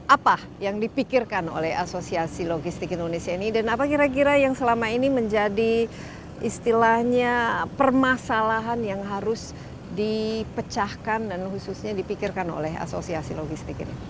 apa yang dipikirkan oleh asosiasi logistik indonesia ini dan apa kira kira yang selama ini menjadi istilahnya permasalahan yang harus dipecahkan dan khususnya dipikirkan oleh asosiasi logistik ini